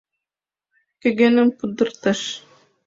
— Кӧгӧным пудырташ!